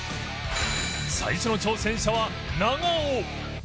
最初の挑戦者は長尾